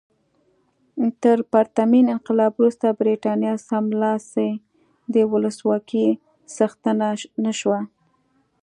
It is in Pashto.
تر پرتمین انقلاب وروسته برېټانیا سملاسي د ولسواکۍ څښتنه نه شوه.